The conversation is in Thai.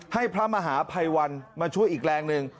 ให้พระมหาภัยวันมาช่วยอีกแรงหนึ่ง